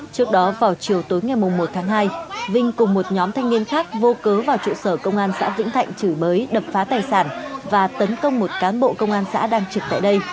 trước đó vào chiều tối ngày một tháng hai vinh cùng một nhóm thanh niên khác vô cớ vào trụ sở công an xã vĩnh thạnh chửi bới đập phá tài sản và tấn công một cán bộ công an xã đang trực tại đây